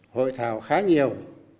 hội thảo khá nhiều